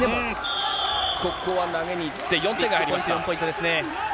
ここは投げにいって、４点が４ポイントですね。